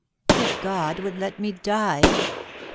" If God would let me die